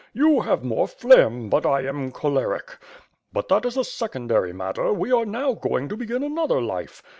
You have more phlegm, but I am choleric. But that is a secondary matter, we are now going to begin another life.